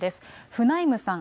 フナイムさん。